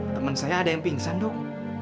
temen saya ada yang pingsan dok